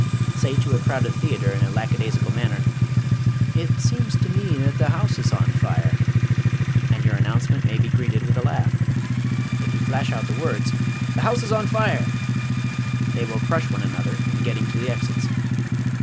Say to a crowded theatre in a lackadaisical manner: "It seems to me that the house is on fire," and your announcement may be greeted with a laugh. If you flash out the words: "The house's on fire!" they will crush one another in getting to the exits.